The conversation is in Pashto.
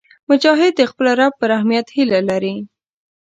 مجاهد د خپل رب په رحمت هیله لري.